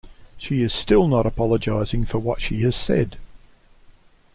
She is still not apologising for what she has said.